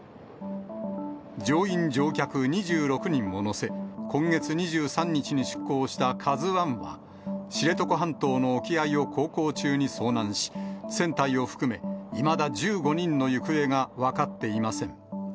乗員・乗客２６人を乗せ、今月２３日に出航したカズワンは、知床半島の沖合を航行中に遭難し、船体を含め、いまだ１５人の行方が分かっていません。